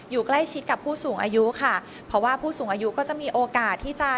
อยู่ใกล้ชิดกับผู้สูงอายุค่ะเพราะว่าผู้สูงอายุก็จะมีโอกาสที่จะ